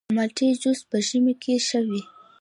د مالټې جوس په ژمي کې ښه وي.